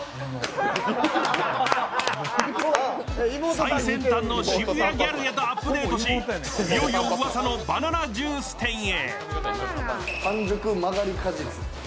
最先端の渋谷ギャルへとアップデートしいよいよ噂のバナナジュース店へ。